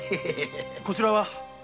こちらは？